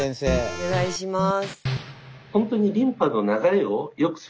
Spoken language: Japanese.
お願いします。